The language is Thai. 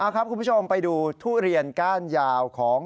คุณผู้ชมไปดูทุเรียนก้านยาวของ